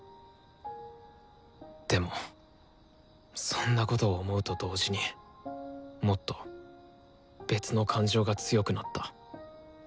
でもそんなことを思うと同時にもっと別の感情が強くなった。